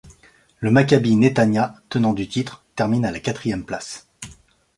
Le Maccabi Netanya, tenant du titre, termine à la quatrième place.